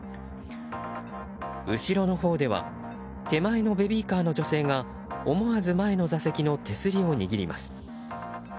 後ろのほうでは手前のベビーカーの女性が思わず前の座席の手すりを握ります。